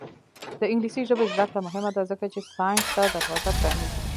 د انګلیسي ژبې زده کړه مهمه ده ځکه چې ساینس ته دروازه پرانیزي.